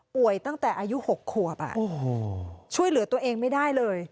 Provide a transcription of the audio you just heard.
ตั้งแต่อายุ๖ขวบช่วยเหลือตัวเองไม่ได้เลย